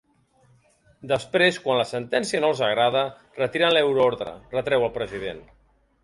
Després, quan la sentència no els agrada, retiren l’euroordre, retreu el president.